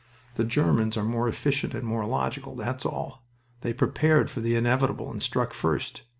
The Germans are more efficient and more logical that's all. They prepared for the inevitable and struck first.